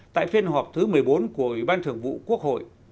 tại phiên họp thứ một mươi bốn của ủy ban thường vụ quốc hội